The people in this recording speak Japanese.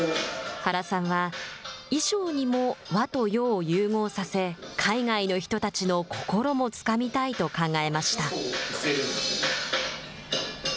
原さんは、衣装にも「和」と「洋」を融合させ海外の人たちの心もつかみたいと考えました。